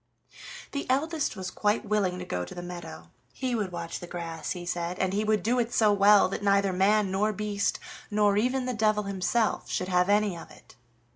The eldest was quite willing to go to the meadow; he would watch the grass, he said, and he would do it so well that neither man, nor beast, nor even the devil himself should have any of it.